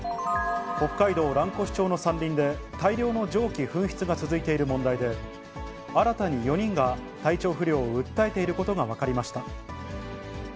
北海道蘭越町の山林で、大量の蒸気噴出が続いている問題で、新たに４人が体調不良を訴えていることが分かりました。